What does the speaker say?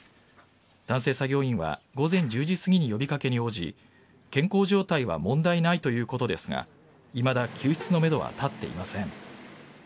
男性作業員は午前１０時すぎに呼び掛けに応じ健康状態は問題ないということですがいまだ救出のめどは立っていません。